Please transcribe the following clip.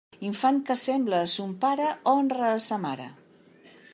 Infant que sembla a son pare honra a sa mare.